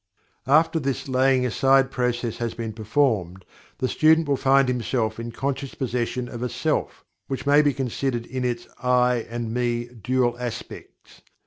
After this laying aside process has been performed, the student will find himself in conscious possession of a "Self" which may be considered in its "I" and "Me" dual aspects.